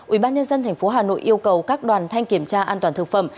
ubnd thành phố hà nội yêu cầu các đoàn thanh kiểm tra an toàn thực phẩm